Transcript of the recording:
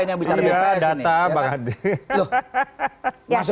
yang bicara bps ini